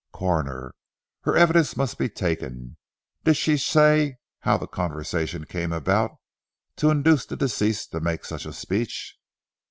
Coroner. "Her evidence must be taken. Did she say how the conversation came about to induce the deceased to make such a speech."